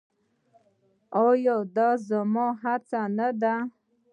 آیا دا زموږ هڅه نه ده؟